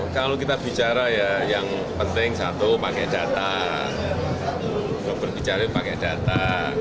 kalau kita bicara ya yang penting satu pakai data